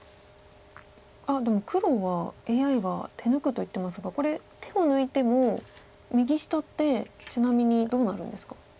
あっでも黒はＡＩは手抜くと言ってますがこれ手を抜いても右下ってちなみにどうなるんですか。